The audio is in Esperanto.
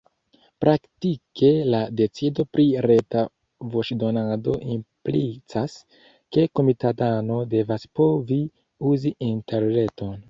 Praktike la decido pri reta voĉdonado implicas, ke komitatano devas povi uzi interreton.